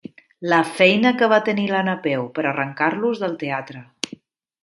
La feina que va tenir la Napeu per arrencar-los del teatre.